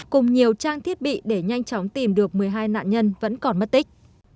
cùng nhiều trang thiết bị để nhanh chóng tìm được một mươi hai nạn nhân vẫn còn mất tích